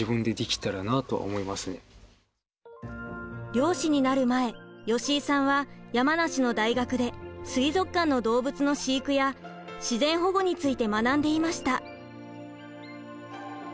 漁師になる前吉井さんは山梨の大学で水族館の動物の飼育や自然保護について学んでいました。